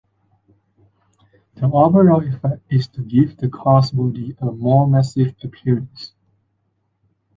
The overall effect is to give the car's body a more massive appearance.